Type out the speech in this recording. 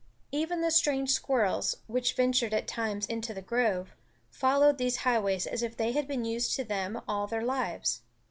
Even the strange squirrels, which ventured at times into the grove, followed these highways as if they had been used to them all their lives.